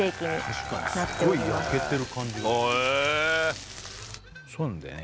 確かにすごい焼けてる感じがするへえそうなんだよね